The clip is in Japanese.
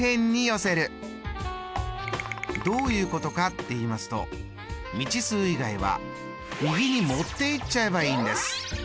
どういうことかっていいますと未知数以外は右に持っていっちゃえばいいんです！